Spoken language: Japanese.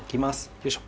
よいしょ。